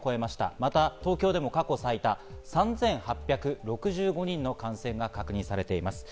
また東京でも過去最多３８６５人の感染が確認されています。